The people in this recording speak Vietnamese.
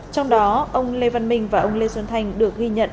trong đó ông lê văn minh và ông lê xuân thành được ghi nhận